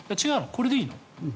これでいいの？